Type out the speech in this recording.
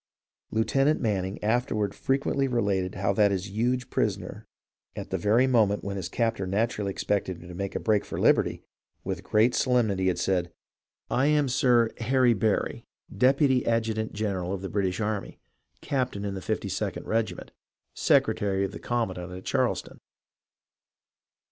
Lieutenant Manning afterward frequently related how that his huge prisoner at the very moment when his captor naturally expected him to make a break for liberty, with great solemnity had said, " I am Sir STORIES OF THE WAR IN THE SOUTH 357 Henry Barry, Deputy Adjutant General of the British army, captain in the 5 2d regiment, secretary of the com mandant at Charleston."